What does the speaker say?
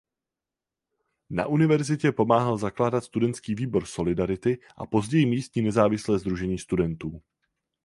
Na univerzitě pomáhal zakládat studentský výbor Solidarity a později místní nezávislé sdružení studentů.